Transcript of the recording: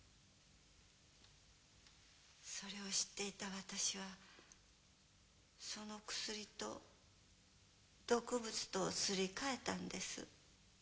それを知っていた私はその薬と毒物とをすり替えたんです。